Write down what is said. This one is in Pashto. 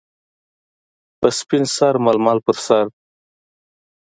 - په سپین سر ململ پر سر.